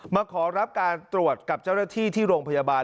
มาขอรับการตรวจกับเจ้าหน้าที่ที่โรงพยาบาล